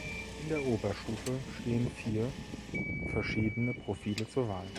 In der Oberstufe stehen vier verschiedene Profile zur Wahl.